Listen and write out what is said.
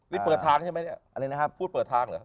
นี่เปิดทางใช่ไหมเนี่ยพูดเปิดทางหรือ